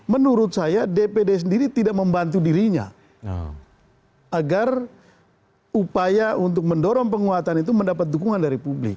menurut saya dpd sendiri tidak membantu dirinya agar upaya untuk mendorong penguatan itu mendapat dukungan dari publik